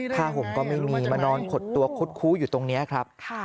ห่มก็ไม่มีมานอนขดตัวคุดคู้อยู่ตรงนี้ครับ